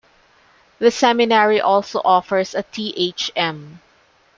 The seminary also offers a Th.M.